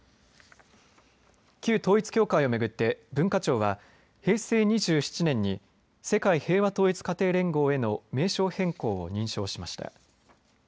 旧統一教会を巡って文化庁は平成２７年に世界平和統一家庭連合への名称変更を認証しました。